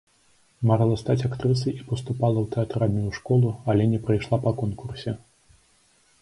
Марыла стаць актрысай і паступала ў тэатральную школу, але не прайшла па конкурсе.